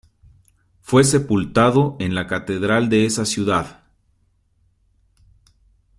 Fue sepultado en la catedral de esa ciudad.